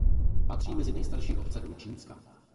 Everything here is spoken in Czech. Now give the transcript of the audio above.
Patří mezi nejstarší obce Hlučínska.